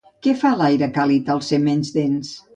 Què fa l'aire càlid al ser menys dens?